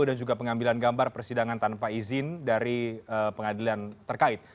dan juga pengambilan gambar persidangan tanpa izin dari pengadilan terkait